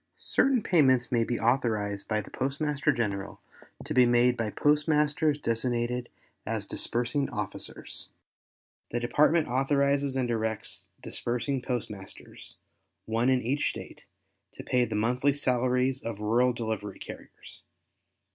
—Certain payments may be authorized by the Postmaster General to be made by postmasters designated as disbursing officers. The Department authorizes and directs disbursing postmasters, one in each State, to pay the monthly salaries of rural delivery carriers.